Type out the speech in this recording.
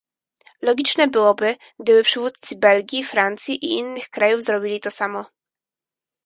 Logiczne byłoby, gdyby przywódcy Belgii, Francji i innych krajów zrobili to samo